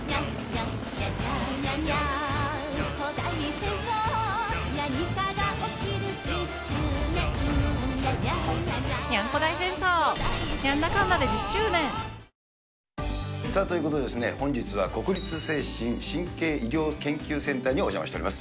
専門医と当事者を中山が取材。ということで、本日は国立精神・神経医療研究センターにお邪魔しております。